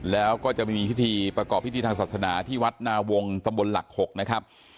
แล้วก็จะมีพิธีประกอบพิธีทางศาสนาที่วัดนาวงตำบลหลัก๖นะครับ